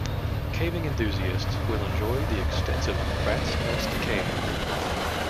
Caving enthusiasts will enjoy the extensive Rat's Nest Cave.